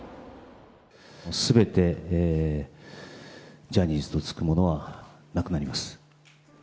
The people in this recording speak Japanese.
すべてジャニーズと付くものはなくなります。